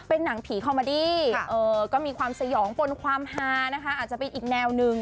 เป็นหนังผีคอมมาดี้ก็มีความสยองปนความฮานะคะอาจจะเป็นอีกแนวหนึ่ง